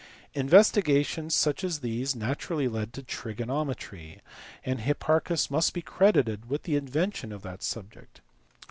Investigations such as these naturally led to trigono metry, and Hipparchus must be credited with the invention of that subject.